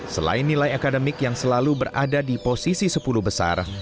selain nilai akademik yang selalu berada di posisi sepuluh besar